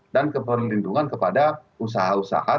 dan keperlindungan kepada usaha usaha